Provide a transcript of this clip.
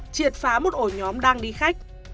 triệt phá một ổ nhóm đang đi khách